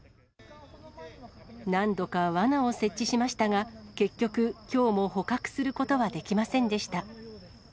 何度かわなを設置しましたが、結局、きょうも捕獲することはできませんでした。